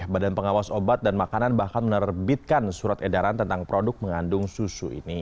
badan pengawas obat dan makanan bahkan menerbitkan surat edaran tentang produk mengandung susu ini